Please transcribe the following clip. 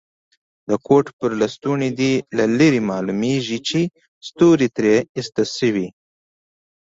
د کوټ پر لستوڼي دي له لرې معلومیږي چي ستوري ترې ایسته شوي.